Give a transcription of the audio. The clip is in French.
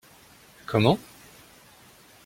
Comment ?